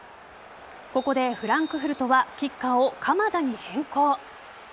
ここでフランクフルトはキッカーを鎌田に変更。